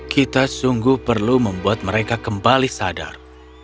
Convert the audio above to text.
kita sungguh perlu membuat mereka kembali sadar